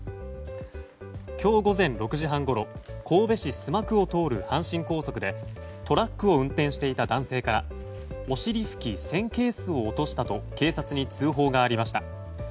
今日午前６時半ごろ神戸市須磨区を通る阪神高速でトラックを運転していた男性がお尻拭き１０００ケースを落としたと警察に通報がありました。